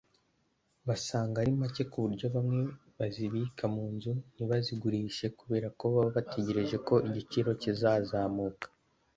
Basanga ari macye ku buryo bamwe bazibika mu nzu ntibazigurishe kubera ko baba bategereje ko igiciro kizazamuka